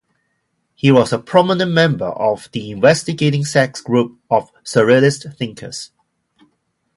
He was a prominent member of the "Investigating Sex" group of Surrealist thinkers.